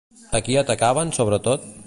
A qui atacaven sobretot?